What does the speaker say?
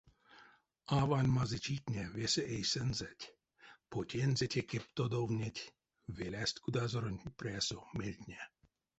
Авань мазычитне весе эйсэнзэть, потензэ теке тодовнеть, — велясть кудазоронть прясо мельтне.